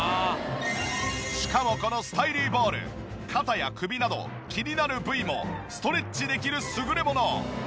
しかもこのスタイリーボール肩や首など気になる部位もストレッチできる優れもの。